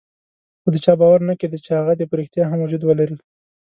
خو د چا باور نه کېده چې هغه دې په ريښتیا هم وجود ولري.